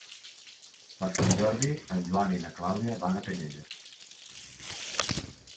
Per Sant Jordi en Joan i na Clàudia van a Canyelles.